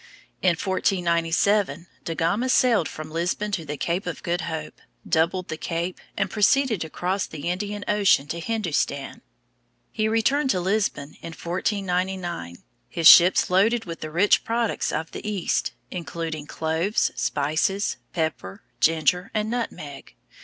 In 1497 Da Gama sailed from Lisbon to the Cape of Good Hope, doubled the cape, and proceeded across the Indian Ocean to Hindustan. He returned to Lisbon in 1499, his ships loaded with the rich products of the East, including cloves, spices, pepper, ginger, and nutmeg.